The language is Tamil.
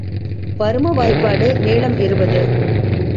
பரும வாய்ப்பாடு நீளம் இருபது.